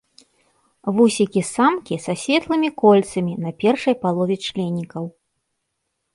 Вусікі самкі са светлымі кольцамі на першай палове членікаў.